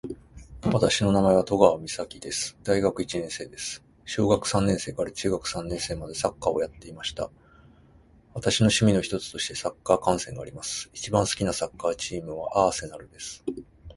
私の名前は登川岬です。大学一年生です。小学三年生から中学三年生までサッカーをやっていました。私の趣味の一つとしてサッカー観戦があります。一番好きなサッカーチームは、アーセナルです。